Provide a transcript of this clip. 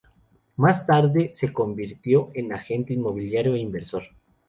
Más tarde se convirtió en agente inmobiliario e inversor.